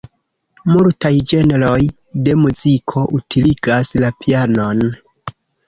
Multaj ĝenroj de muziko utiligas la pianon.